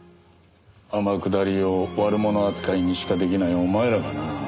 天下りを悪者扱いにしか出来ないお前らがな。